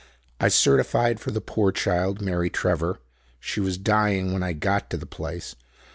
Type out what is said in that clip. I certified for the poor child, Mary Trevor. She was dying when I got to the place.